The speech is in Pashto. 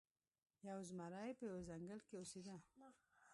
یو زمری په یوه ځنګل کې اوسیده.